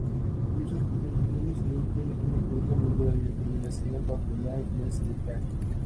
Muchos compositores adoptaron alguna forma de la indeterminación bajo la influencia de Cage.